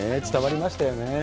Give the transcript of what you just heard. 伝わりましたよね。